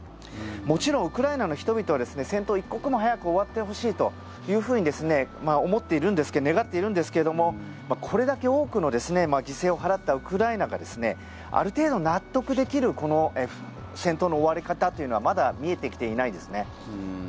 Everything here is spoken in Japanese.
もちろんウクライナの人々は戦闘が一刻も早く終わってほしいというふうに思っているんですけども願っているんですけどもこれだけ多くの犠牲を払ったウクライナがある程度、納得できる戦闘の終わり方というのはまだ見えてきていないですね。